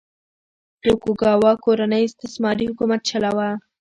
توکوګاوا کورنۍ استثماري حکومت چلاوه.